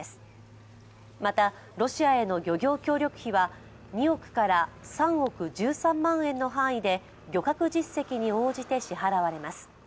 また、ロシアへの漁業協力費は２億から３億１３万円の範囲で漁獲実績に応じて支払われます。